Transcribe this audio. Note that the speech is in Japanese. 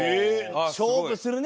勝負するね